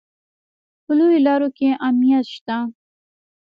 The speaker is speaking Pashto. په لویو لارو کې امنیت شته